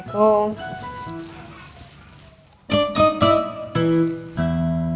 sampai jumpa lagi